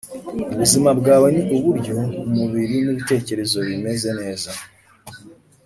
ubuzima bwawe ni uburyo umubiri nʼibitekerezo bimeze neza